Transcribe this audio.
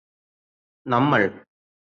നമ്മൾ